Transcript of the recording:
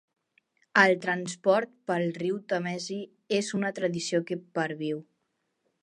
El transport pel riu Tàmesi és una tradició que perviu.